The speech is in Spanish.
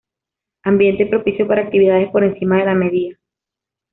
Ambiente propicio para actividades por encima de la media.